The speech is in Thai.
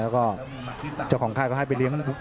อัศวินาศาสตร์